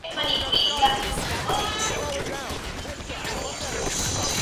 Esta cala tiene dimensiones pequeñas y siempre hay bañistas.